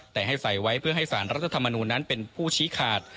แต่ให้ใส่ไว้เพื่อให้สารรัฐธรรมนูญนั้นเป็นผู้ชี้ขาด